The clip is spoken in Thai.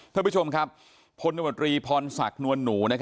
ท่านผู้ชมครับพลตมตรีพรศักดิ์นวลหนู